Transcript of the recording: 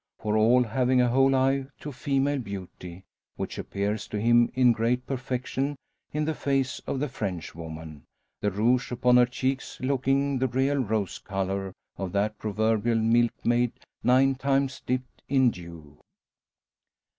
For all having a whole eye to female beauty; which appears to him in great perfection in the face of the Frenchwoman the rouge upon her cheeks looking the real rose colour of that proverbial milk maid nine times dipped in dew.